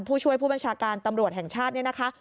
ผู้ช่วยผู้บัญชาการตำรวจแห่งชาติเนี่ยนะคะ